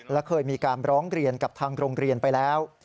และเคยมีการร้องเรียนกับทางโรงเรียนไปแล้ว